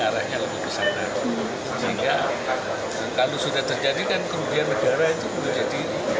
arahnya lebih keselamatan sehingga kalau sudah terjadi kan kerugian negara itu sudah jadi